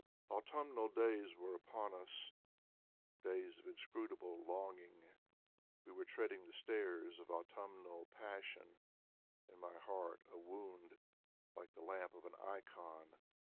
Autumnal days WQre upon us, Dajrs of inscrutable longing; We were treading the stairs Of autumnal passion. In my heart a wound, Like the lamp of an ikon.